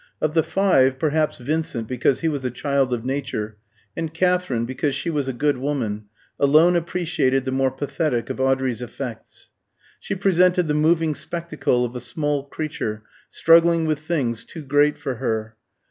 Of the five, perhaps Vincent, because he was a child of Nature, and Katherine, because she was a good woman, alone appreciated the more pathetic of Audrey's effects. She presented the moving spectacle of a small creature struggling with things too great for her.